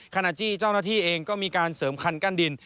ขณะที่เจ้าหน้าที่เองก็มีการเสริมคันกั้นดิน